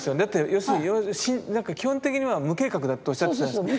要するに基本的には無計画だとおっしゃってたじゃないですか。